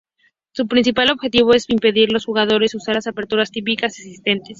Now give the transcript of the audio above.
Su principal objetivo es impedir a los jugadores usar las aperturas típicas existentes.